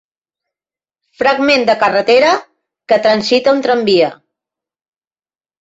Fragment de carretera que transita un tramvia.